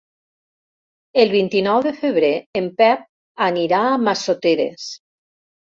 El vint-i-nou de febrer en Pep anirà a Massoteres.